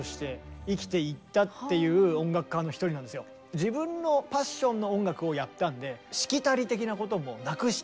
自分のパッションの音楽をやったんでしきたり的なこともなくした。